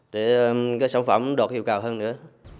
để cái sản phẩm đột hiệu cầu hơn nữa